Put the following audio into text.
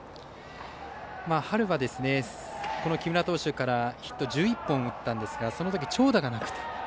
春は、木村投手からヒット１１本打ったんですがそのときは長打がなかったと。